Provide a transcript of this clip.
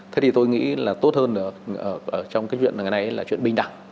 thế thì tôi nghĩ là tốt hơn trong cái chuyện này là chuyện bình đẳng